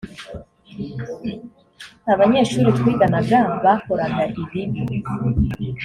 abanyeshuri twiganaga bakoraga ibibi